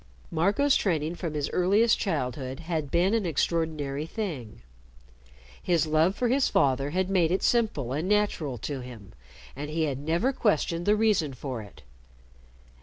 Marco's training from his earliest childhood had been an extraordinary thing. His love for his father had made it simple and natural to him, and he had never questioned the reason for it.